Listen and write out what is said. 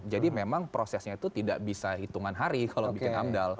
jadi memang prosesnya itu tidak bisa hitungan hari kalau bikin amdal